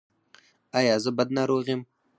ایا زه بد ناروغ یم؟